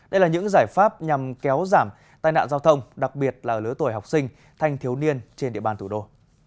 đây là những giải pháp nhằm kéo giảm tai nạn giao thông đặc biệt là lứa tuổi học sinh thanh thiếu niên trên địa bàn thủ đô